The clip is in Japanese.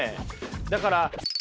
だから。